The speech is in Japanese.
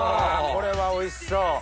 これはおいしそう。